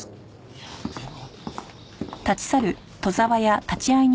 いやでも。